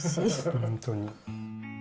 本当に。